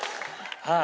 はい。